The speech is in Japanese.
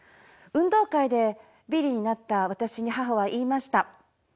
運動会でビリになった私に母は言いました。